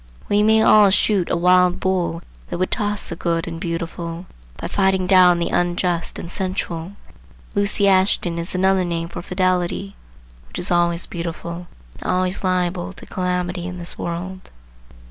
We may all shoot a wild bull that would toss the good and beautiful, by fighting down the unjust and sensual. Lucy Ashton is another name for fidelity, which is always beautiful and always liable to calamity in this world.